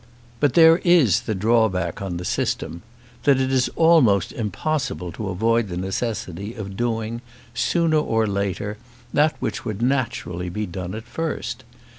But there is the drawback on the system, that it is almost impossible to avoid the necessity of doing, sooner or later, that which would naturally be done at first.